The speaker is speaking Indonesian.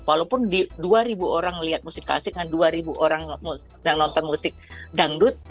walaupun dua orang melihat musik klasik dan dua orang yang nonton musik dangdut